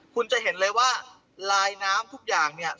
คุณจะเห็นเลยว่าลายน้ำทุกอย่างเนี่ย